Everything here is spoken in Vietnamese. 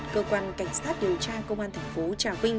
cơ quan cảnh sát điều tra công an thành phố trà vinh